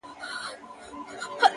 • د کښتۍ مسافر ,